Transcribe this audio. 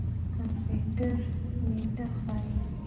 کمپيوټر نېټه ښيي.